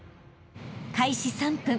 ［開始３分］